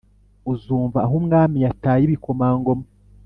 uzumva ahumwami yataye ibikomangoma